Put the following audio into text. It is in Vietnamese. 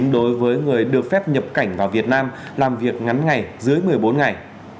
đối với người được phép nhập cảnh vào việt nam làm việc ngắn ngày dưới một mươi bốn ngày